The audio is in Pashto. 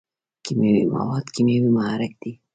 کیمیاوي مواد کیمیاوي محرک دی.